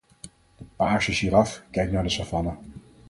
De paarse giraf kijkt naar de savanne.